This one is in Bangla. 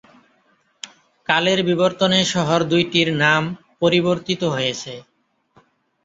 কালের বিবর্তনে শহর দুইটির নাম পরিবর্তিত হয়েছে।